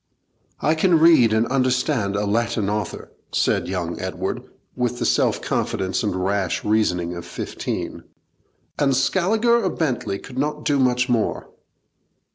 'I can read and understand a Latin author,' said young Edward, with the self confidence and rash reasoning of fifteen, 'and Scaliger or Bentley could not do much more.'